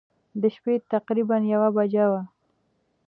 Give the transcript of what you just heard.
د شپې تقریباً یوه بجه وه.